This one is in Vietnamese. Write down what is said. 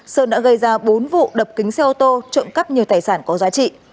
sơn đã gây ra bốn vụ đập kính xe ô tô trộm cắp nhiều tài sản có giá trị